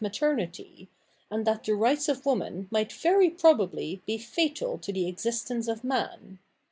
iv] THE NEW REPUBLIC 65 maternity, and that the rights of woman might very probably be fatal to the existence of man.